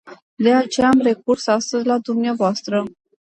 De aceea am recurs astăzi la dumneavoastră.